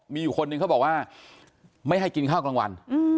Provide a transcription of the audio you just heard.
มีอยู่คนหนึ่งเขาบอกว่าไม่ให้กินข้าวกลางวัน